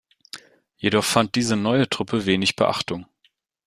Jedoch fand diese neue Truppe wenig Beachtung.